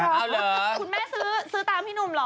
คุณแม่ซื้อตามพี่หนุ่มเหรอ